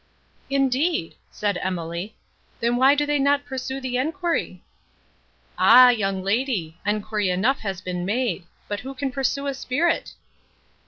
"Indeed!" said Emily, "then why do they not pursue the enquiry?" "Ah, young lady! enquiry enough has been made—but who can pursue a spirit?"